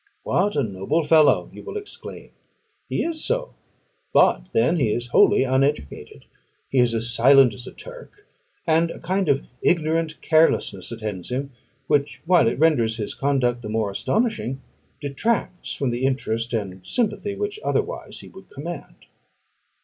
"What a noble fellow!" you will exclaim. He is so; but then he is wholly uneducated: he is as silent as a Turk, and a kind of ignorant carelessness attends him, which, while it renders his conduct the more astonishing, detracts from the interest and sympathy which otherwise he would command.